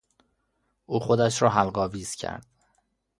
او خودش را حلق آویز کرد.